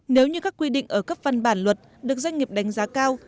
nếu như các quy định ở các văn bản luật được doanh nghiệp đánh giá cao